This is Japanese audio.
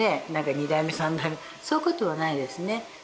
２代目３代目そういうことはないですね